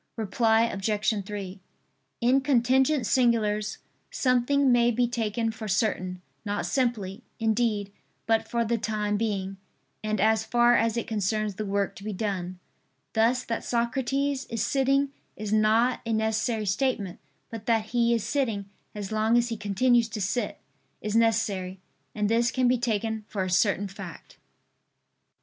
Reply Obj. 3: In contingent singulars, something may be taken for certain, not simply, indeed, but for the time being, and as far as it concerns the work to be done. Thus that Socrates is sitting is not a necessary statement; but that he is sitting, as long as he continues to sit, is necessary; and this can be taken for a certain fact.